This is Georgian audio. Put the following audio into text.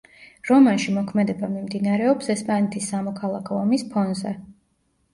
რომანში მოქმედება მიმდინარეობს ესპანეთის სამოქალაქო ომის ფონზე.